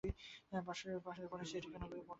পরেশ চিঠিখানি লইয়া পকেটে রাখিলেন।